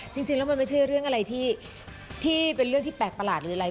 จริงแล้วมันไม่ใช่เรื่องอะไรที่เป็นเรื่องที่แปลกประหลาดหรืออะไร